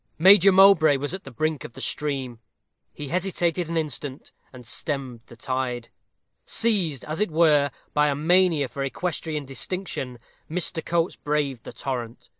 Major Mowbray was at the brink of the stream. He hesitated an instant, and stemmed the tide. Seized, as it were, by a mania for equestrian distinction, Mr. Coates braved the torrent.